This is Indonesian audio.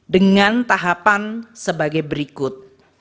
dengan tahapan sebagai berikut